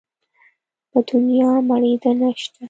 په دونيا مړېده نه شته.